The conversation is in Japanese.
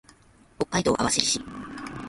北海道網走市